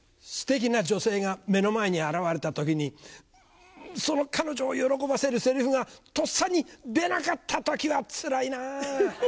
ステキな女性が目の前に現れた時にその彼女を喜ばせるセリフがとっさに出なかった時はつらいな。